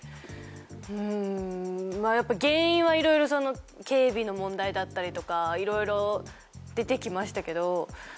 うんやっぱ原因はいろいろ警備の問題だったりとかいろいろ出て来ましたけど。